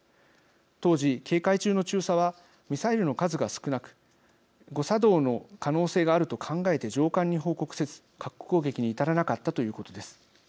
当時、警戒中の中佐はミサイルの数が少なく誤作動の可能性があると考えて上官に報告せず核攻撃に至らなかったということです。